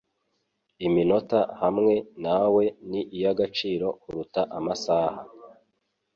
Iminota hamwe nawe ni iy'agaciro kuruta amasaha